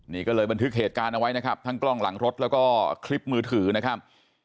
นี่ก็เลยบันทึกเหตุการณ์เอาไว้นะครับทั้งกล้องหลังรถแล้วก็คลิปมือถือนะครับ